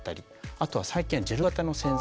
あとは最近はジェル型の洗剤。